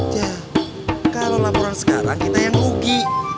jah kalo laporan sekarang kita yang muki